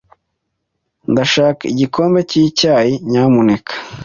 Ndashaka igikombe cy'icyayi, nyamuneka.